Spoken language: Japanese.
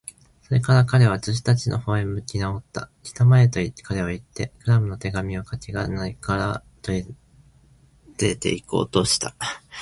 それから彼は、助手たちのほうに向きなおった。「きたまえ！」と、彼はいって、クラムの手紙をかけ金から取り、出ていこうとした。